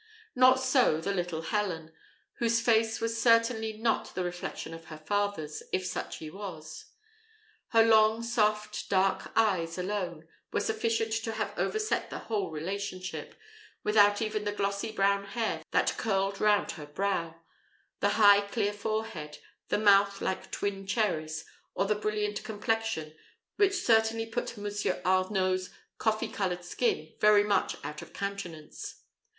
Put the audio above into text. Not so the little Helen, whose face was certainly not the reflection of her father's, if such he was. Her long soft dark eyes alone were sufficient to have overset the whole relationship, without even the glossy brown hair that curled round her brow, the high clear forehead, the mouth like twin cherries, or the brilliant complexion, which certainly put Monsieur Arnault's coffee coloured skin very much out of countenance.